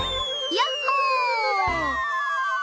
やっほ！